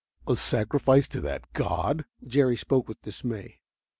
"A sacrifice to that god!" Jerry spoke with dismay.